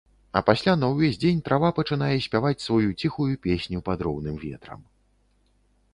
А пасля на ўвесь дзень трава пачынае спяваць сваю ціхую песню пад роўным ветрам.